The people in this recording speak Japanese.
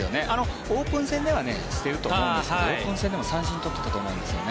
オープン戦ではしてると思うんですけどオープン戦でも三振を取ったことがないんですよね。